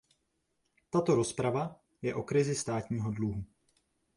Tato rozprava je o krizi státního dluhu.